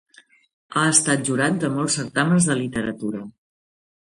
Ha estat jurat de molts certàmens de literatura.